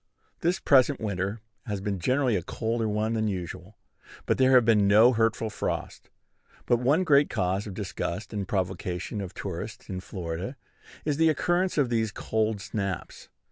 This present winter has been generally a colder one than usual; but there have been no hurtful frosts. But one great cause of disgust and provocation of tourists in Florida is the occurrence of these "cold snaps."